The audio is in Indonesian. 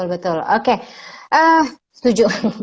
jadi kita harus berpikir bahwa ini juga bisa jadi pasien gitu